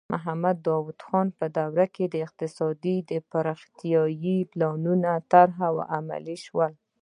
د محمد داؤد خان په دوره کې اقتصادي پرمختیايي پلانونه طرح او عملي شول.